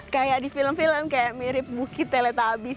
kayak di film film kayak mirip bukit teletabis